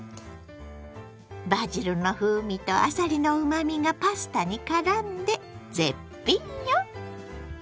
バジルの風味とあさりのうまみがパスタにからんで絶品よ！